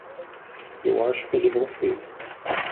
Eu acho que ele não fez.